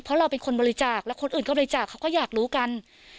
เพราะเราเป็นคนบริจาคแล้วคนอื่นก็บริจาคเขาก็อยากรู้กัน